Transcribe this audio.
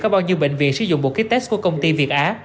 có bao nhiêu bệnh viện sử dụng bộ kích test của công ty việt á